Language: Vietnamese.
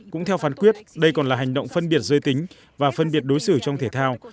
cũng theo phán quyết đây còn là hành động phân biệt giới tính và phân biệt đối xử trong thể thao